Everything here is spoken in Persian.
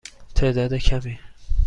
تعداد کمی.